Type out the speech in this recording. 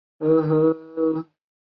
朗提尼人口变化图示